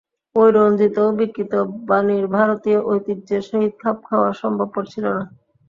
ঐ রঞ্জিত ও বিকৃত বাণীর ভারতীয় ঐতিহ্যের সহিত খাপ খাওয়া সম্ভবপর ছিল না।